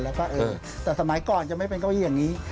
แต่สมัยก่อนจะไม่เป็นเก้าอี้อย่างนี้